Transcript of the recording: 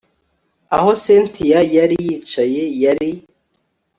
aho cyntia yari yicaye yari